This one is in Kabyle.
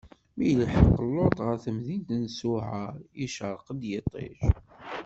Mi yelḥeq Luṭ ɣer temdint n Ṣuɛar, icṛeq-d yiṭij.